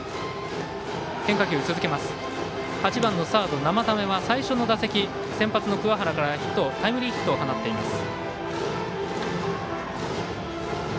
８番のサード、生田目は最初の打席、先発の桑原からタイムリーヒットを放っています。